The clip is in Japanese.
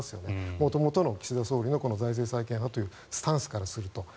元々の岸田総理の財政再建派というスタンスからすると。